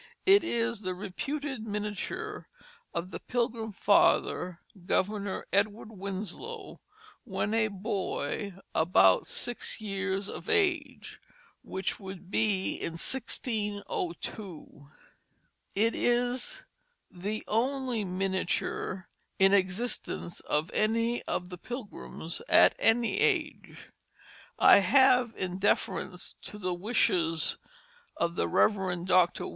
It is the reputed miniature of the Pilgrim Father, Governor Edward Winslow, when a boy about six years of age, which would be in 1602; it is the only miniature in existence of any of the Pilgrims at any age. I have, in deference to the wishes of the Rev. Dr.